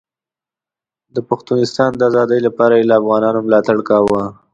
د پښتونستان د ازادۍ لپاره یې له افغانانو ملاتړ کاوه.